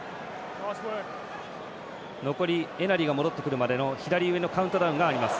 残りエナリが戻ってくるまでの左上のカウントダウンがあります。